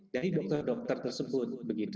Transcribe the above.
dari dokter dokter tersebut